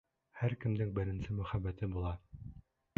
Һәр кемдең беренсе мөхәббәте була.